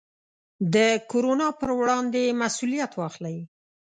د کورونا پر وړاندې مسوولیت واخلئ.